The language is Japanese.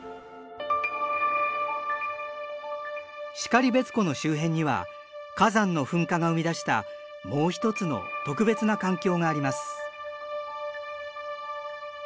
然別湖の周辺には火山の噴火が生み出したもう一つの特別な環境があります。